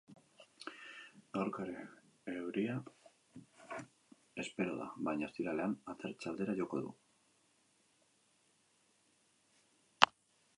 Gaurko ere euria espero da, baina ostiralean atertze aldera joko du.